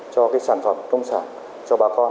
cho sản phẩm công sản cho bà con